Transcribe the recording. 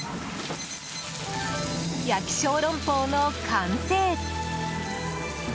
焼き小龍包の完成。